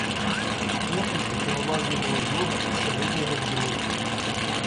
Публіка пераважна маладога і сярэдняга ўзросту.